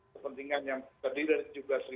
kepentingan yang terdiri dari